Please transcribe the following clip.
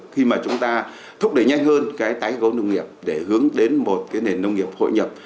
khi mà chúng ta thúc đẩy nhanh hơn cái tái cấu nông nghiệp để hướng đến một cái nền nông nghiệp hội nhập